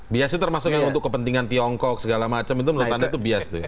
bias itu termasuk untuk kepentingan tiongkok segala macam itu menurut anda itu bias itu ya